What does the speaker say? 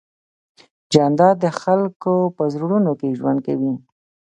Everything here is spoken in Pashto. جانداد د خلکو په زړونو کې ژوند کوي.